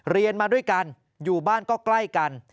เรียนมาด้วยกันอยู่บ้านก็ใกล้กัน